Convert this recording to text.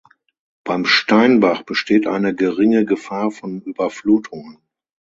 Beim Steinbach besteht eine geringe Gefahr von Überflutungen.